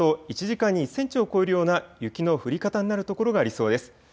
このあと１時間に１センチを超えるような雪の降り方になるところがありそうです。